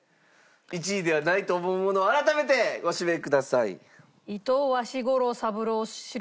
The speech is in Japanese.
１位ではないと思うものを改めてご指名ください。